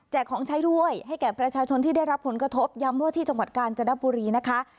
ของใช้ด้วยให้แก่ประชาชนที่ได้รับผลกระทบย้ำว่าที่จังหวัดกาญจนบุรีนะคะ